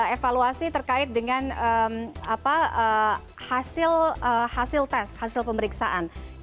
evaluasi terkait dengan hasil tes hasil pemeriksaan